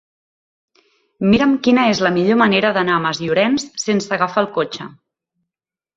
Mira'm quina és la millor manera d'anar a Masllorenç sense agafar el cotxe.